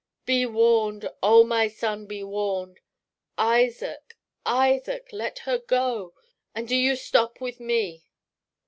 "Be warned! oh, my son, be warned! Isaac, Isaac, let her go, and do you stop with me!"